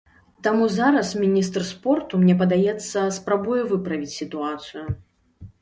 Таму зараз міністр спорту, мне падаецца, спрабуе выправіць сітуацыю.